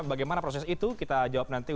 bagaimana proses itu kita jawab nanti